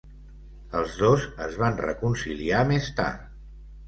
Els dos es van reconciliar més tard.